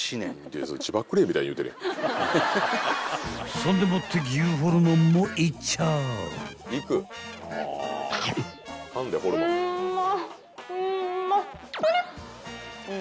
［そんでもって牛ホルモンもいっちゃう］うま。